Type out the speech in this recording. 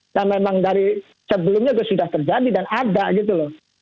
yang memang dari sebelumnya sudah terjadi dan ada gitu loh